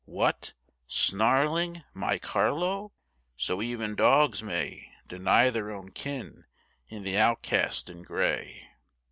What! snarling, my Carlo! So even dogs may Deny their own kin in the outcast in gray.